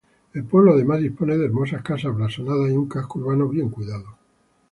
El pueblo además dispone de hermosas casas blasonadas, y un casco urbano bien cuidado.